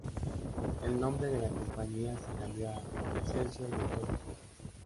El nombre de la compañía se cambió a "Excelsior Motor Co.